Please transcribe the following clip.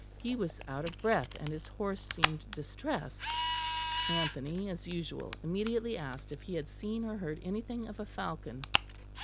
He was out of breath, and his horse seemed distressed. Anthony, as usual, immediately asked if he had seen or heard anything of a falcon.